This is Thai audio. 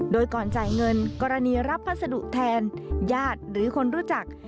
โดยก่อนจ่ายเงินกรณีรับพัสดุแทนญาติหรือคนรู้จัก